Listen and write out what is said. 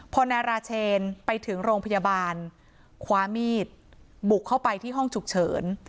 พอนายราเชนไปถึงโรงพยาบาลคว้ามีดบุกเข้าไปที่ห้องฉุกเฉิน